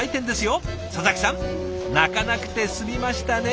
佐々木さん泣かなくて済みましたね。